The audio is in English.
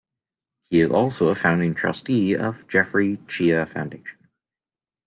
He is also a Founding Trustee of the Jeffrey Cheah Foundation.